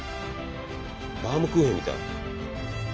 バウムクーヘンみたい。